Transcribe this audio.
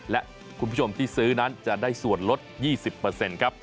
และคุณผู้ชมที่ซื้อนั้นจะได้ส่วนลด๒๐เปอร์เซ็นต์